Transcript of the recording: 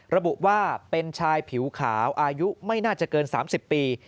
ระบุว่าเป็นชายผิวขาวอายุไม่น่าจะเกิน๓๐ปี